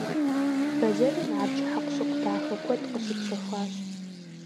Бэзэрым абдж хьэкъущыкъу дахэ куэд къыщытщэхуащ.